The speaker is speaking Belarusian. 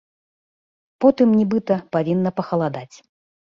Потым, нібыта, павінна пахаладаць.